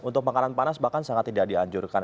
untuk makanan panas bahkan sangat tidak dianjurkan